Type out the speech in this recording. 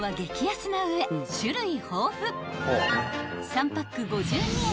［３パック５２円］